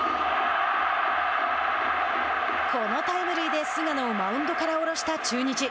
このタイムリーで菅野をマウンドからおろした中日。